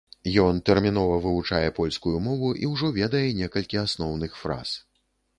Ён тэрмінова вывучае польскую мову і ўжо ведае некалькі асноўных фраз.